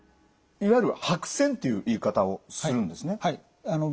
いわゆる白癬っていう言い方をするんですね。